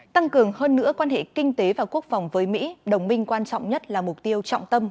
tăng cường hơn nữa quan hệ kinh tế và quốc phòng với mỹ đồng minh quan trọng nhất là mục tiêu trọng tâm